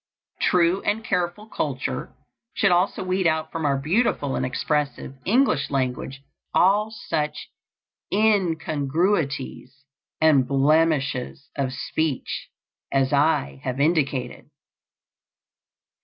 True and careful culture should also weed out from our beautiful and expressive English language all such incongruities and blemishes of speech as I have indicated.